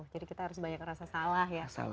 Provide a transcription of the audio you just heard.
jadi kita harus banyak merasa salah ya